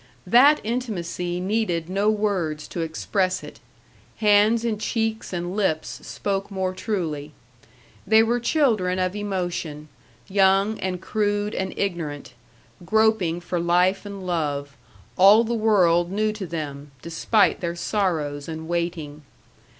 That intimacy needed no words to express it; hands and cheeks and lips spoke more truly. They were children of emotion, young and crude and ignorant, groping for life and love, all the world new to them, despite their sorrows and waiting.